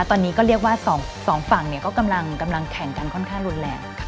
ตอนนี้ก็เรียกว่าสองฝั่งก็กำลังแข่งกันค่อนข้างรุนแรง